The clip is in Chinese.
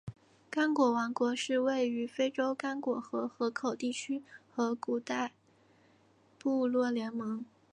刚果王国是位于非洲刚果河河口地区的古代部落联盟。